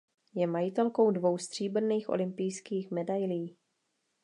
Je majitelkou dvou stříbrných olympijských medailí.